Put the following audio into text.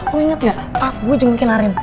lo inget nggak pas gue jengukin arin